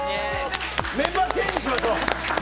メンバーチェンジしましょう。